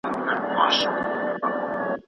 چې له ځوانۍ تر بوډاتوبه یې